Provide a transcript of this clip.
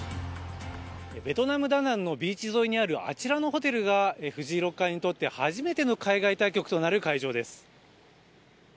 ベトナム・ダナンのビーチ沿いにあるあちらのホテルが藤井六冠にとって初めての海外対局となる会場です。